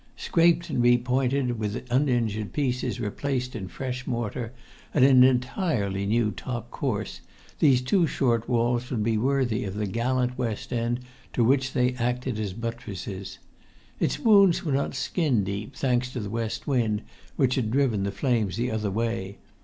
Scraped and repointed, with the uninjured pieces replaced in fresh mortar, and an entirely new top course, these two short walls would be worthy of the gallant west end to which they acted as buttresses. Its wounds were not skin deep, thanks to the west wind which had driven the flames the other way.